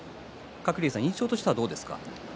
鶴竜さん印象としてはどうですか？